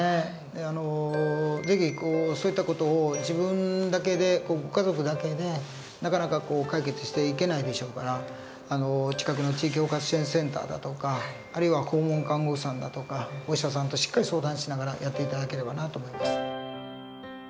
あの是非そういった事を自分だけでご家族だけでなかなか解決していけないでしょうから近くの地域包括支援センターだとかあるいは訪問看護師さんだとかお医者さんとしっかり相談しながらやって頂ければなと思います。